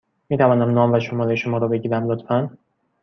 می توانم نام و شماره شما را بگیرم، لطفا؟